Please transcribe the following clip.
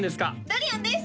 ドリアンです！